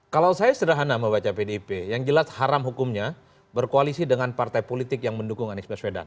kalau saya sederhana membaca pdip yang jelas haram hukumnya berkoalisi dengan partai politik yang mendukung anies baswedan